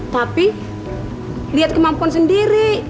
tapi lihat kemampuan sendiri